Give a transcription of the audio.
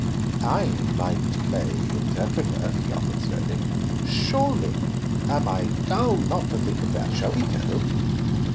"I might play interpreter," he offered slowly. "Surely! Am I dull not to think of that? Shall we go?"